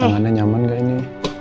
tangannya nyaman nggak ini